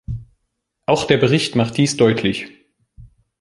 Auch der Bericht macht dies deutlich.